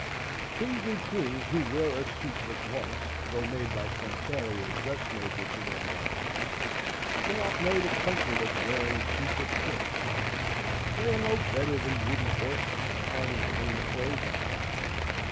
Kings and queens who wear a suit but once, though made by some tailor or dressmaker to their majesties, cannot know the comfort of wearing a suit that fits. They are no better than wooden horses to hang the clean clothes on.